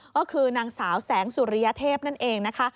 ก็คือนางสาวแสงสุริยเทพนั่นเองนะคะ